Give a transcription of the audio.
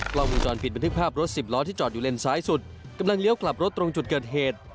กล้องวงจรปิดบันทึกภาพรถสิบล้อที่จอดอยู่เลนซ้ายสุดกำลังเลี้ยวกลับรถตรงจุดเกิดเหตุ